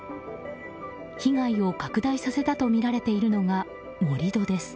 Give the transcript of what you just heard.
被害を拡大させたとみられているのが盛り土です。